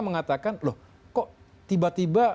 mengatakan loh kok tiba tiba